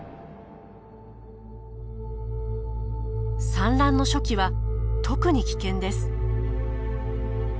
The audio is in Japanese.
産卵の初期は特に危険です。